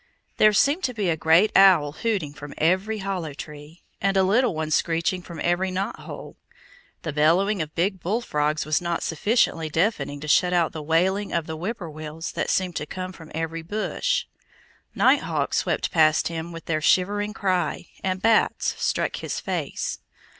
There seemed to be a great owl hooting from every hollow tree, and a little one screeching from every knothole. The bellowing of big bullfrogs was not sufficiently deafening to shut out the wailing of whip poor wills that seemed to come from every bush. Nighthawks swept past him with their shivering cry, and bats struck his face.